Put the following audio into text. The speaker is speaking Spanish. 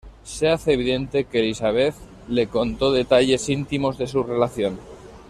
Se hace evidente que Elizabeth le contó detalles íntimos de su relación.